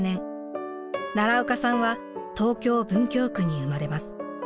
奈良岡さんは東京・文京区に生まれます。